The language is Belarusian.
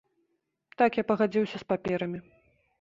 Так, я пагадзіўся з паперамі.